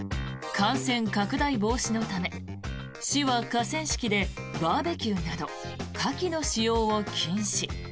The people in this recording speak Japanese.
感染拡大防止のため市は河川敷でバーベキューなど火気の使用を禁止。